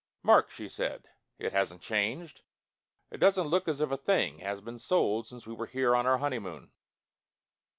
"Mark," she said, "it hasn't changed! It doesn't look as if a thing had been sold since we were here on our honeymoon."